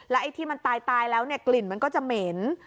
ไอ้ที่มันตายแล้วเนี่ยกลิ่นมันก็จะเหม็น